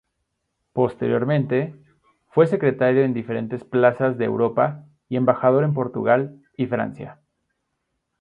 Posteriormente, fue secretario en diferentes plazas de Europa y embajador en Portugal y Francia.